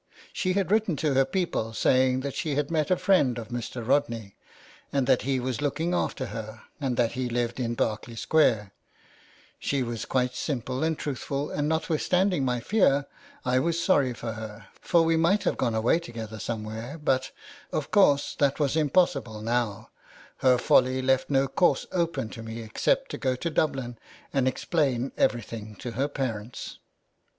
She had written to her people saying that she had met a friend of Mr. Rodney, and that he was looking after her, and that he lived in Berkeley Square ; she was quite simple and truthful, and notwithstanding my fear I was sorry for her, for we might have gone away together somewhere, but, of course, that was impossible now, her folly left no course open to me except to go to Dublin and explain everything to her parents."